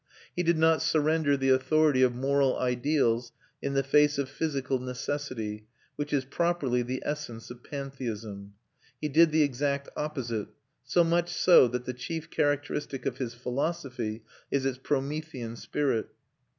He did not surrender the authority of moral ideals in the face of physical necessity, which is properly the essence of pantheism. He did the exact opposite; so much so that the chief characteristic of his philosophy is its Promethean spirit.